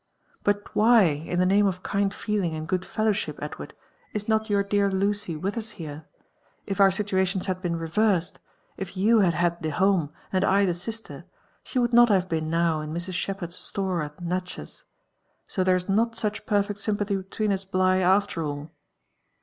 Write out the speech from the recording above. " But why, in the name of kind feeling and good fellowship, Ed ward, is not your dear Lucy with us here? If our situations had been reversed — if you had had the home and I the sister, she would not have been now in Mrs. Shepherd's store at Natchez. So there is not such perfect sympathy between us, Bligh, after all."